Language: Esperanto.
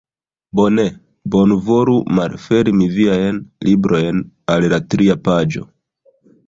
Bone. Bonvolu malfermi viajn librojn al la tria paĝo.